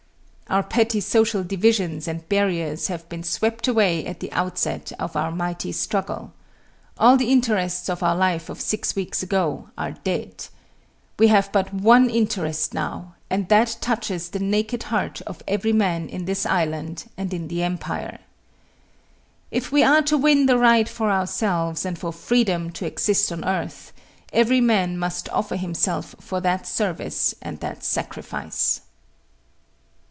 Our petty social divisions and barriers have been swept away at the outset of our mighty struggle. All the interests of our life of six weeks ago are dead. We have but one interest now, and that touches the naked heart of every man in this island and in the empire. If we are to win the right for ourselves and for freedom to exist on earth, every man must offer himself for that service and that sacrifice.